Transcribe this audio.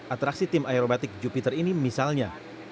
atraksi tim aerobatik jupiter ini misalnya